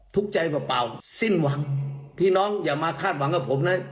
ทุกข์ใจเปล่าสิ้นหวังพี่น้องอย่ามาคาดหวังกับผมนะ